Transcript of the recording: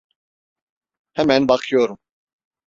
Hemen bakıyorum.